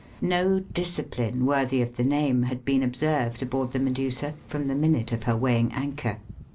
No discipline worthy of the name had been observed aboard the Medusa from the minute of her weighing anchor.